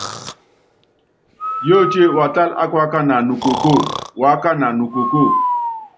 Yótíe watála ákuákana nukokóo, uákana nukokóo.